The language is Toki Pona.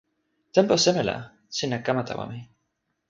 tenpo seme la sina kama tawa mi?